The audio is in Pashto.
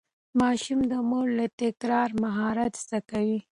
ماشوم د مور له تکرار مهارت زده کوي.